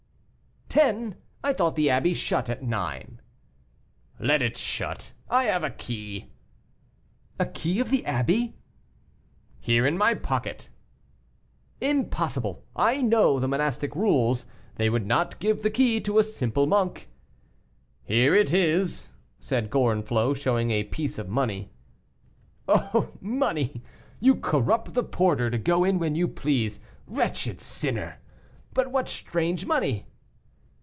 "Ten! I thought the abbey shut at nine." "Let it shut; I have a key." "A key of the abbey!" "Here, in my pocket." "Impossible; I know the monastic rules. They would not give the key to a simple monk." "Here it is," said Gorenflot, showing a piece of money. "Oh, money! you corrupt the porter to go in when you please, wretched sinner! But what strange money!"